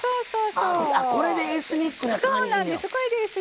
そうなんです